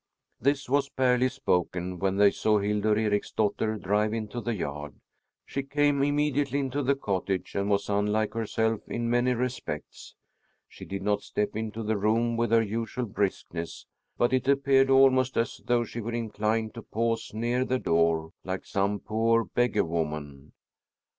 This was barely spoken when they saw Hildur Ericsdotter drive into the yard. She came immediately into the cottage and was unlike herself in many respects. She did not step into the room with her usual briskness, but it appeared almost as though she were inclined to pause near the door, like some poor beggarwoman.